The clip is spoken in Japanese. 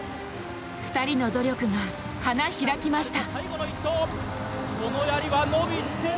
２人の努力が、花開きました。